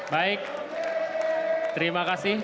baik terima kasih